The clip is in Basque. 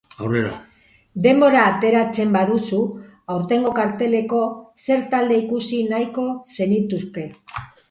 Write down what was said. Denbora ateratzen baduzu, aurtengo karteleko zer talde ikusi nahiko zenituzke?